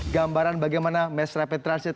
gambaran bagaimana mass rapid transit